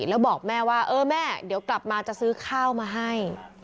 แล้วบอกแม่ว่าเออแม่เดี๋ยวกลับมาจะซื้อข้าวมาให้